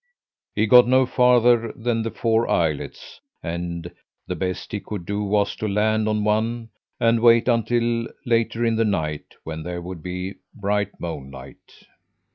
He got no farther than the four islets, and the best he could do was to land on one and wait until later in the night, when there would be bright moonlight.